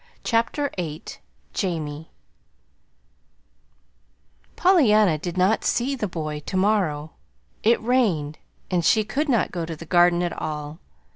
CHAPTER VIII JAMIE Pollyanna did not see the boy "to morrow." It rained, and she could not go to the Garden at all.